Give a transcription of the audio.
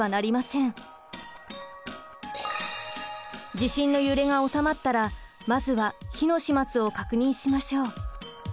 地震の揺れがおさまったらまずは火の始末を確認しましょう。